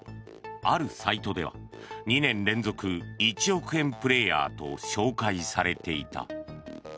あるサイトでは２年連続１億円プレーヤーと紹介されていた。